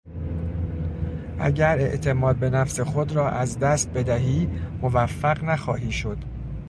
اگر اعتماد به نفس خود را از دست بدهی موفق نخواهی شد.